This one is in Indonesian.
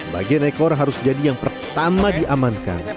bagian ekor harus jadi yang pertama diamankan